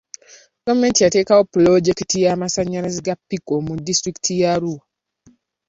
Gavumenti yateekayo pulojekiti y'amasanyalaze ga pico mu disitulikiti ye Arua.